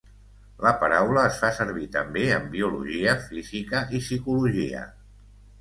La paraula es fa servir també en biologia, física i psicologia.